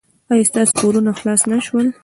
ایا ستاسو پورونه خلاص نه شول؟